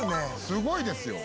「すごいですよ」